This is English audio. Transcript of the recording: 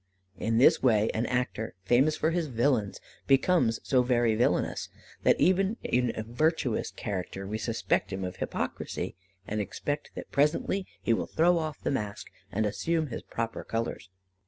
In this way an actor, famous for his villains, becomes so very villainous, that even in a virtuous character we suspect him of hypocrisy, and expect that presently he will throw off the mask and assume his proper colours.